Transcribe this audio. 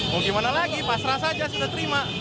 mau gimana lagi pasrah saja sudah terima